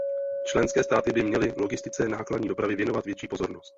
Členské státy by měly logistice nákladní dopravy věnovat větší pozornost.